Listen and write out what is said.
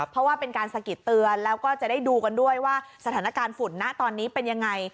เพราะว่าเป็นการสะกิดเตือนแล้วก็จะได้ดูกันด้วยว่าสถานการณ์ฝุ่นนะตอนนี้เป็นยังไง